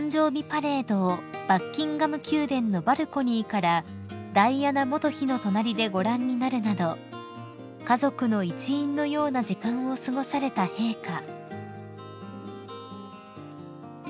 パレードをバッキンガム宮殿のバルコニーからダイアナ元妃の隣でご覧になるなど家族の一員のような時間を過ごされた陛下］